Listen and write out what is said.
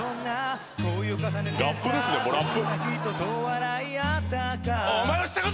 ラップですねラップ。